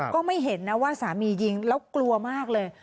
ก็ไม่เห็นนะว่าสามียิงแล้วกลัวมากเลย